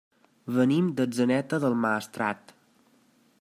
Venim d'Atzeneta del Maestrat.